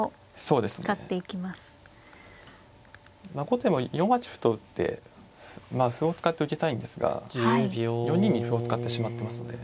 後手も４八歩と打って歩を使って受けたいんですが４二に歩を使ってしまってますので。